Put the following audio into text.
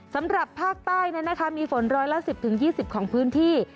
สำหรับภาคใต้มีฝนร้อยละ๑๐๒๐ของพื้นที่